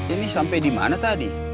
ini sampai dimana tadi